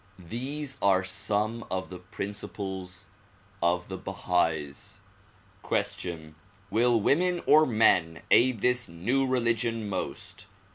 These are some of the principles of the Bahais. Question: Will women or men aid this new religion most?